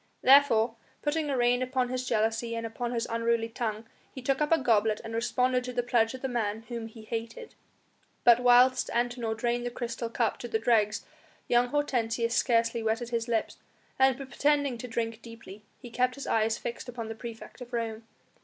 Therefore, putting a rein upon his jealousy and upon his unruly tongue, he took up a goblet and responded to the pledge of the man whom he hated. But whilst Antinor drained the crystal cup to the dregs young Hortensius scarcely wetted his lips, and pretending to drink deeply, he kept his eyes fixed upon the praefect of Rome.